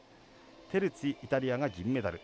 テルツィ、イタリアが銀メダル。